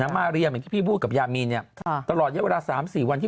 น้องมาเรียบเหมือนที่พี่พูดกับยามีเนี้ยค่ะตลอดเยอะเวลาสามสี่วันที่